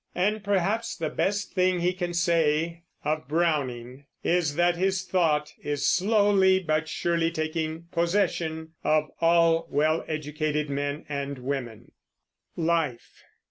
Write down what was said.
And perhaps the best thing he can say of Browning is that his thought is slowly but surely taking possession of all well educated men and women. LIFE.